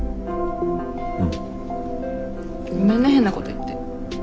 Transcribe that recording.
ごめんね変なこと言って。